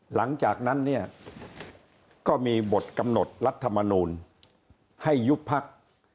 หลังจากนั้นเนี่ยก็มีบทกำหนดรัฐมนูลให้ยุบพัก